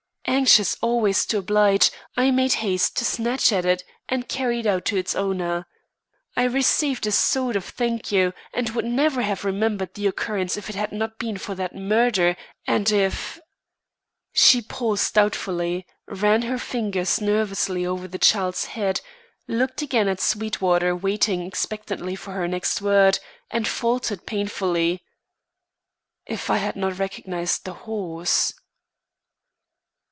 Anxious always to oblige, I made haste to snatch at it and carry it out to its owner. I received a sort of thank you, and would never have remembered the occurrence if it had not been for that murder and if " She paused doubtfully, ran her fingers nervously over her child's head, looked again at Sweetwater waiting expectantly for her next word, and faltered painfully "if I had not recognised the horse."